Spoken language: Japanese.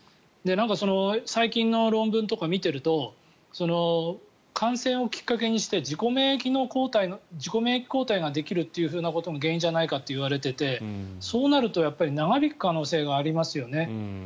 最近の論文とか見てると感染をきっかけにして自己免疫抗体ができるということも原因じゃないかと言われていてそうなると、やっぱり長引く可能性がありますよね。